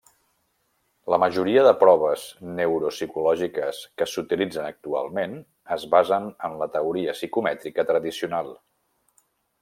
La majoria de proves neuropsicològiques que s'utilitzen actualment es basen en la teoria psicomètrica tradicional.